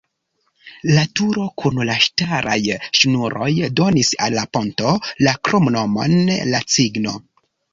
La turo kun la ŝtalaj ŝnuroj donis al la ponto la kromnomon "la cigno".